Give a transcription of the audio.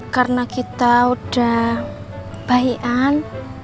karena kita udah bayian